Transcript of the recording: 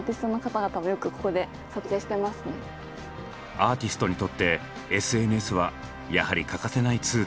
アーティストにとってＳＮＳはやはり欠かせないツール。